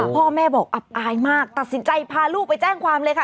พ่อแม่บอกอับอายมากตัดสินใจพาลูกไปแจ้งความเลยค่ะ